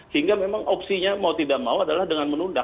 sehingga memang opsinya mau tidak mau adalah dengan menunda